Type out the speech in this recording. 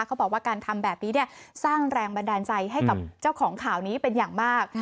เขาบอกว่าการทำแบบนี้สร้างแรงบันดาลใจให้กับเจ้าของข่าวนี้เป็นอย่างมาก